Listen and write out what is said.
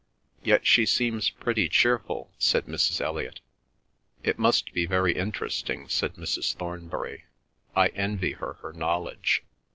"Yet she seems pretty cheerful," said Mrs. Elliot. "It must be very interesting," said Mrs. Thornbury. "I envy her her knowledge."